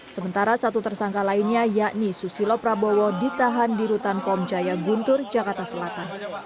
sementara satu tersangka lainnya yakni susilo prabowo ditahan di rutan kom jaya guntur jakarta selatan